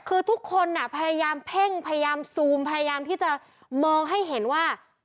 คือทุกคนพยายามเพ่งพยายามซูมพยายามที่จะมองให้เห็นว่า